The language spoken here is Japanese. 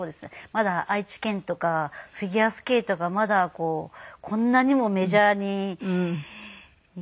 まだ愛知県とかフィギュアスケートがまだこんなにもメジャーになる前ですね。